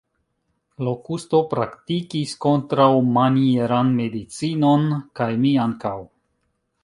Lokusto praktikis kontraŭmanieran medicinon, kaj mi ankaŭ.